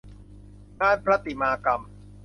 งานประติมากรรม